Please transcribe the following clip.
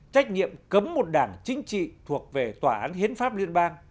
trách nhiệm cấm một đảng chính trị thuộc về tòa án hiến pháp liên bang